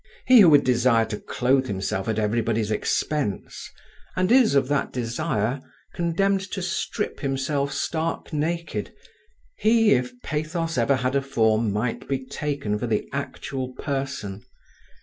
He who would desire to clothe himself at everybody's expense, and is of that desire condemned to strip himself stark naked, he, if pathos ever had a form, might be taken for the actual person.